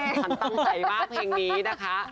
ฉันตั้งใจมากเพลงนี้นะคะ